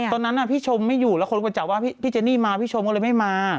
ตอนนั้นพี่ชมไม่อยู่แล้วคนไปจับว่าพี่เจนี่มาพี่ชมก็เลยไม่มา